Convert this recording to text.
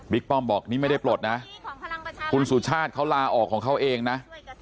ป้อมบอกนี่ไม่ได้ปลดนะคุณสุชาติเขาลาออกของเขาเองนะ